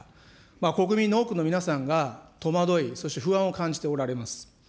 国民の多くの皆さんが戸惑い、そして不安を感じておられます。